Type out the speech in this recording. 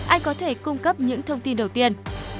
anh có thể cung cấp những thông tin đầu tiên